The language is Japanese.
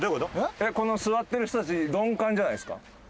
この座ってる人たち「ドンカン」じゃないですか？